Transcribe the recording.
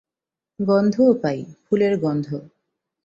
গন্ধও পাই, ফুলের গন্ধ।